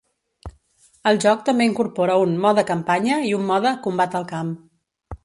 El joc també incorpora un "mode campanya" i un mode "combat al camp".